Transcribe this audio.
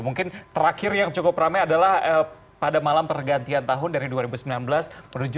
mungkin terakhir yang cukup ramai adalah pada malam pergantian tahun dari dua ribu sembilan belas menuju